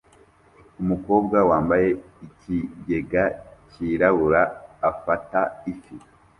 Umukobwa wambaye ikigega cyirabura afata ifi